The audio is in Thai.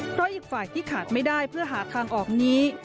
เพราะอีกฝ่ายที่ขาดไม่ได้เพื่อหาทางออกนี้